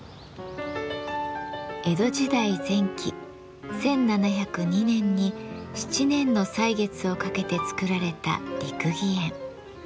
江戸時代前期１７０２年に７年の歳月をかけて作られた六義園。